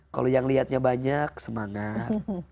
kalau yang lihatnya banyak semangat